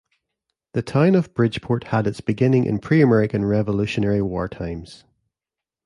The town of Bridgeport had its beginning in pre-American Revolutionary War times.